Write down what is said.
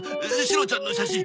シロちゃんの写真！